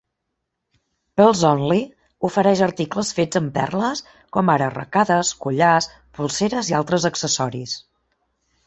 PearlsOnly ofereix articles fets amb perles, com ara arracades, collars, polseres i altres accessoris.